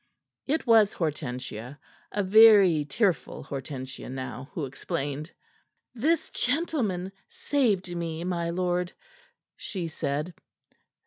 It was Hortensia a very tearful Hortensia now who explained. "This gentleman saved me, my lord," she said.